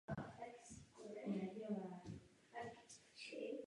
Ten pracoval nezávisle na komisi přímo na zakázku švédského ministerstva zahraničí.